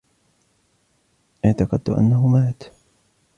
إعتقدتُ أنهُ مات.